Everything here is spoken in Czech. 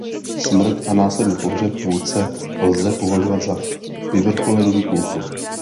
Smrt a následný pohřeb vůdce lze považovat za vyvrcholení kultu.